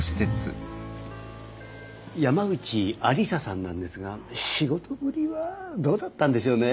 山内愛理沙さんなんですが仕事ぶりはどうだったんでしょうね？